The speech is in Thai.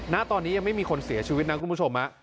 ณตอนนี้ยังไม่มีคนเสียชีวิตนะคุณผู้ชม